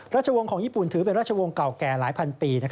ราชวงศ์ของญี่ปุ่นถือเป็นราชวงศ์เก่าแก่หลายพันปี